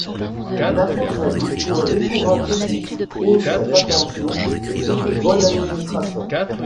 Un impôt très-lourd pourrait décourager beaucoup trop cette attention et cette bonne administration.